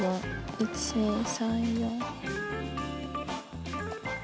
１２３４。